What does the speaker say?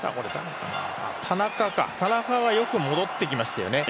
田中がよく戻ってきましたよね。